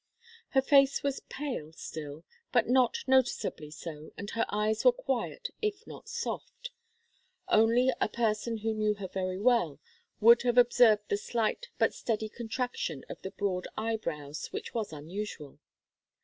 Her face was pale still, but not noticeably so, and her eyes were quiet if not soft. Only a person who knew her very well would have observed the slight but steady contraction of the broad eyebrows, which was unusual.